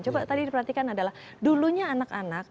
coba tadi diperhatikan adalah dulunya anak anak